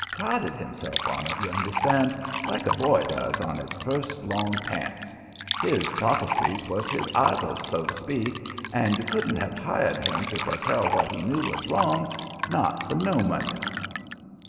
Prided himself on it, you understand, like a boy does on his first long pants. His prophecies was his idols, so's to speak, and you couldn't have hired him to foretell what he knew was wrong, not for no money.